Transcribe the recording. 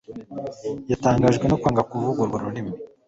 Yatangajwe no kwanga kuvuga urwo ururimi